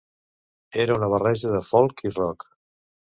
Era una barreja de folk i rock.